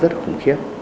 rất là khủng khiếp